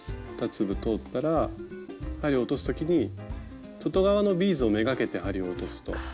２粒通ったら針落とす時に外側のビーズを目がけて針を落とすと。